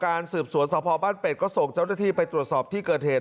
การสืบสวนสพบ้านเป็ดก็ส่งเจ้าหน้าที่ไปตรวจสอบที่เกิดเหตุ